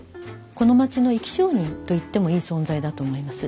この町の生き証人と言ってもいい存在だと思います。